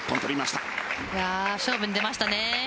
勝負に出ましたね。